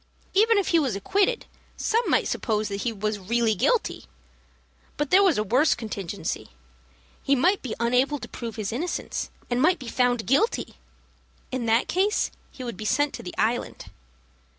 Even if he was acquitted, some might suppose that he was really guilty. But there was a worse contingency. He might be unable to prove his innocence, and might be found guilty. In that case he would be sent to the Island.